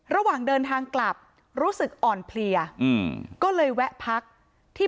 ระหว่างเดินทางกลับรู้สึกอ่อนเพลียอืมก็เลยแวะพักที่